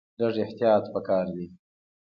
لږ احتیاط په کار دی.